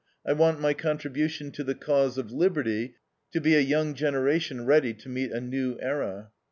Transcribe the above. I want my contribution to the cause of liberty to be a young generation ready to meet a new era."